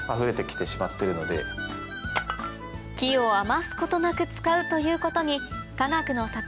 木を余すことなく使うということにかがくの里